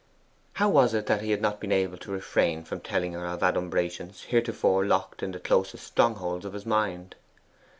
How was it that he had not been able to refrain from telling her of adumbrations heretofore locked in the closest strongholds of his mind?